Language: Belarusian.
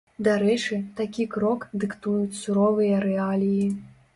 Дарэчы, такі крок дыктуюць суровыя рэаліі.